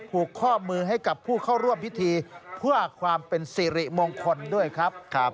ผูกข้อมือให้กับผู้เข้าร่วมพิธีเพื่อความเป็นสิริมงคลด้วยครับ